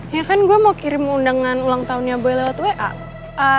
ya kan gue mau kirim undangan ulang tahunnya gue lewat wa